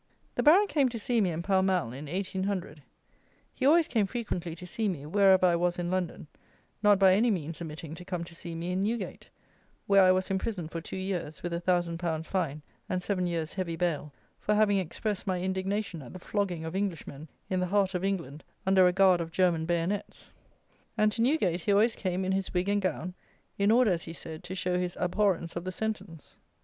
The Baron came to see me, in Pall Mall, in 1800. He always came frequently to see me, wherever I was in London; not by any means omitting to come to see me in Newgate, where I was imprisoned for two years, with a thousand pounds fine and seven years heavy bail, for having expressed my indignation at the flogging of Englishmen, in the heart of England, under a guard of German bayonets; and to Newgate he always came in his wig and gown, in order, as he said, to show his abhorrence of the sentence.